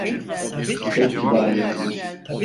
Pek kibar yerdir.